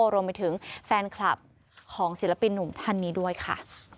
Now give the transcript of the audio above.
รวมไปถึงแฟนคลับของศิลปินหนุ่มท่านนี้ด้วยค่ะ